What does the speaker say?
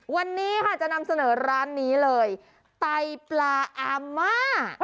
วันนี้ค่ะจะนำเสนอร้านนี้เลยไตปลาอาม่า